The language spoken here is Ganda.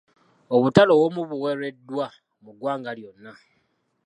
Obutale obumu buwereddwa mu ggwanga lyonna.